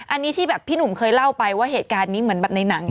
อันนี้ที่แบบพี่หนุ่มเคยเล่าไปว่าเหตุการณ์นี้เหมือนแบบในหนัง